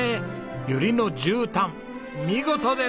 ユリのじゅうたん見事です！